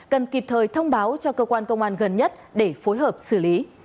cần kịp thời thông báo cho cơ quan công an gần nhất để phối hợp xử lý